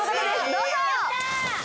どうぞ！